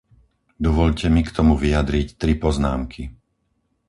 Dovoľte mi k tomu vyjadriť tri poznámky.